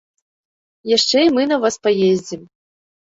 Яшчэ і мы на вас паездзім!